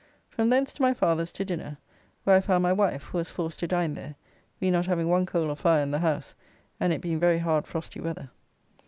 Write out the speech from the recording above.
From thence to my father's to dinner, where I found my wife, who was forced to dine there, we not having one coal of fire in the house, and it being very hard frosty weather.